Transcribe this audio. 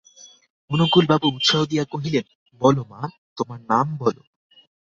অনুকূলবাবু উৎসাহ দিয়া কহিলেন, বলো মা, তোমার নাম বলো।